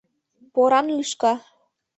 Поран лӱшка.